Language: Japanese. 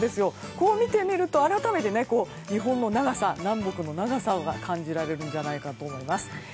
こう見てみると改めて、日本の南北の長さが感じられるんじゃないかと思います。